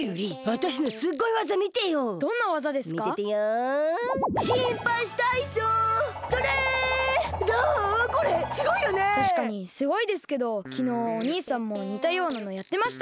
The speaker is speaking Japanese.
たしかにすごいですけどきのうお兄さんもにたようなのやってました！